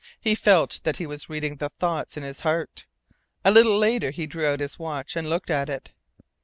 He felt that he was reading the thoughts in his heart. A little later he drew out his watch and looked at it.